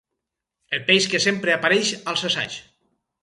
El peix que sempre apareix als assaigs.